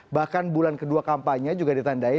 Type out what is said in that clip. bahkan bulan kedua kampanye juga ditandai